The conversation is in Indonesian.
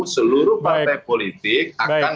seluruh partai politik akan